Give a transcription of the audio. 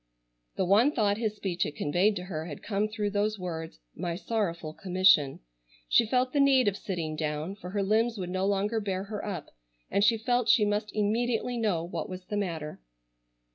The one thought his speech had conveyed to her had come through those words "my sorrowful commission." She felt the need of sitting down, for her limbs would no longer bear her up, and she felt she must immediately know what was the matter.